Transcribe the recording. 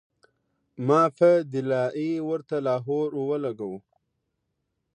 ما پۀ “دلائي” ورته لاهور او لګوو